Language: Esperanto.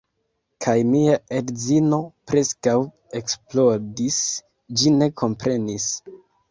Kaj mia edzino preskaŭ eksplodis, ĝi ne komprenis.